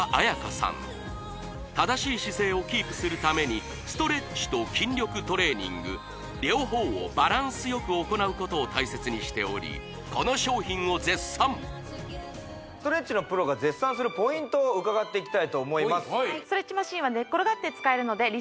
正しい姿勢をキープするためにストレッチと筋力トレーニング両方をバランスよく行うことを大切にしておりこの商品を絶賛伺っていきたいと思います